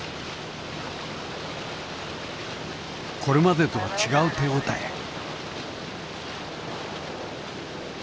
これまでとは違う手応え。